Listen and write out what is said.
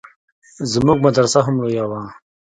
زموږ مدرسه هم لويه وه.